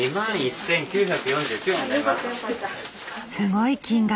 すごい金額！